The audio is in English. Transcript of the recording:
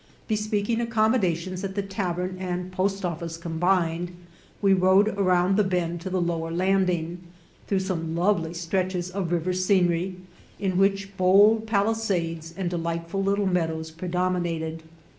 Bespeaking accommodations at the tavern and post office combined, we rowed around the bend to the lower landing, through some lovely stretches of river scenery, in which bold palisades and delightful little meadows predominated.